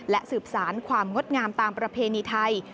และสืบสารความงดงามตามประเพณีไทย